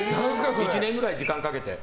１年ぐらい時間かけて。